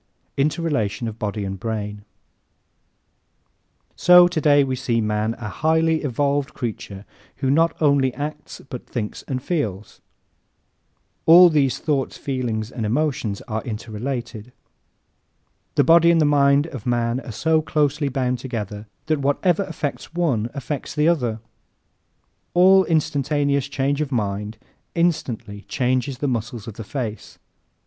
Interrelation of Body and Brain ¶ So today we see man a highly evolved creature who not only acts but thinks and feels. All these thoughts, feelings and emotions are interrelated. The body and the mind of man are so closely bound together that whatever affects one affects the other. An instantaneous change of mind instantly changes the muscles of the face.